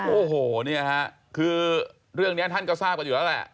โอ้โหเนี่ยฮะคือเรื่องนี้ท่านก็ทราบกันอยู่แล้วแหละ